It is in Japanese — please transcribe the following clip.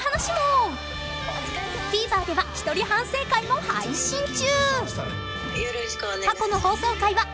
［ＴＶｅｒでは一人反省会も配信中］